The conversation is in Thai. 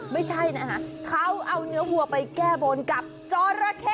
ไม่ใช่นะคะเขาเอาเนื้อวัวไปแก้บนกับจอราเข้